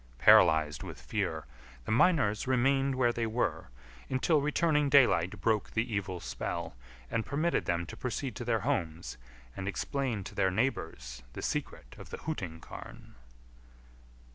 Paralysed with fear, the miners remained where they were, until returning daylight broke the evil spell and permitted them to proceed to their homes and explain to their neighbours the secret of the Hooting Carn.